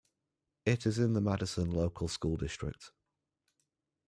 It is in the Madison Local School District.